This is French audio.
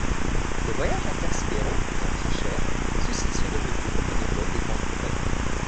Les voyages intersidéraux coûtant très chers, ceux-ci sont devenus le monopole de grandes compagnies.